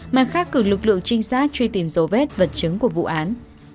mặt khác cử lực lượng trinh sát truy tìm dấu vết vật chứng của vụ án